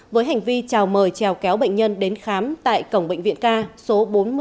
với hành vi chào mời trèo kéo bệnh nhân đến khám tại cổng bệnh viện ca số bốn mươi năm